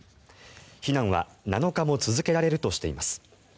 避難は７日も続けられるとしています。